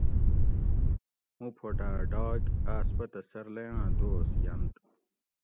مُو پھوٹاۤ ڈاگ آۤس پتہ سۤرلیاۤں دوس یۤنت